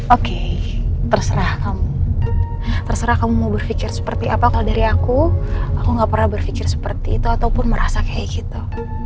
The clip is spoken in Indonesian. oke terserah kamu terserah kamu mau berpikir seperti apa kalau dari aku aku gak pernah berpikir seperti itu ataupun merasa kayak gitu